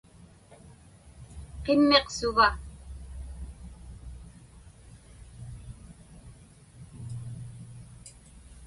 Qimmiq suva?